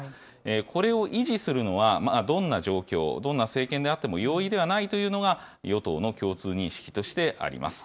これを維持するのは、どんな状況、どんな政権であっても容易ではないというのが、与党の共通認識としてあります。